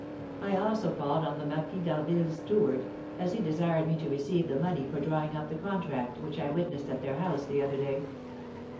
I also called on the Marquis d'Harville's steward, as he desired me to receive the money for drawing up the contract which I witnessed at their house the other day."